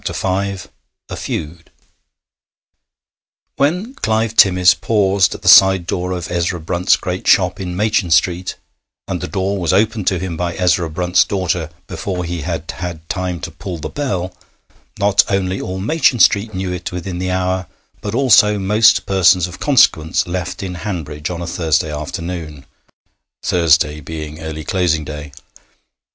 A FEUD When Clive Timmis paused at the side door of Ezra Brunt's great shop in Machin Street, and the door was opened to him by Ezra Brunt's daughter before he had had time to pull the bell, not only all Machin Street knew it within the hour, but also most persons of consequence left in Hanbridge on a Thursday afternoon Thursday being early closing day.